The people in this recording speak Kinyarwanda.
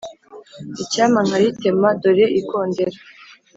icyampa nkaritema; dore ikondera